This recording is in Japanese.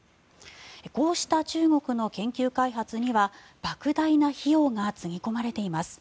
こうした中国の研究開発にはばく大な費用がつぎ込まれています。